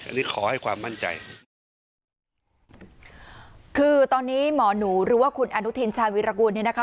หรือขอให้ความมั่นใจคือตอนนี้หมอหนูหรือว่าคุณอนุทินชาวิรกูลเนี่ยนะคะ